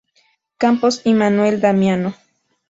Campos y Manuel Damiano.